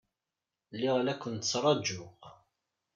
Lliɣ la ken-ttṛajuɣ.